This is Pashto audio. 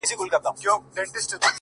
• ته وا نه يې له ابليس څخه زوولى ,